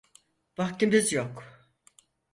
Vaktimiz yok.